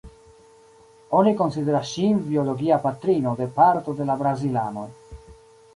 Oni konsideras ŝin biologia patrino de parto de la brazilanoj.